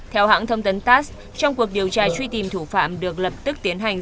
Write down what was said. theo hãng thông tấn tass trong cuộc điều tra truy tìm thủ phạm được lập tức tiến hành